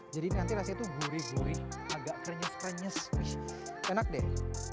jadi nanti rasanya tuh gurih gurih agak krenyes krenyes enak deh